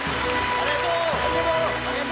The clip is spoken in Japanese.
ありがとう！